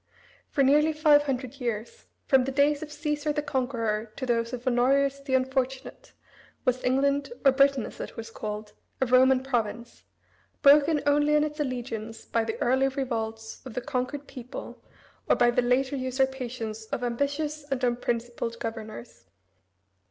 For nearly five hundred years, from the days of Caesar the conqueror, to those of Honorius the unfortunate, was England, or Britain as it was called, a Roman province, broken only in its allegiance by the early revolts of the conquered people or by the later usurpations of ambitious and unprincipled governors.